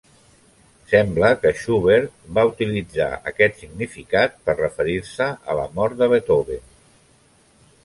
Sembla que Schubert va utilitzar aquest significat per referir-se a la mort de Beethoven.